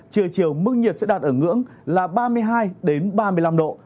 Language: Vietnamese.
trưa chiều mức nhiệt sẽ đạt ở ngưỡng là ba mươi hai ba mươi năm độ